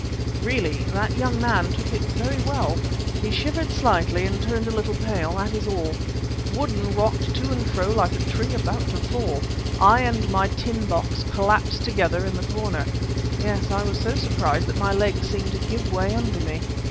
Really that young man took it very well. He shivered slightly and turned a little pale, that is all. Woodden rocked to and fro like a tree about to fall. I and my tin box collapsed together in the corner. Yes, I was so surprised that my legs seemed to give way under me.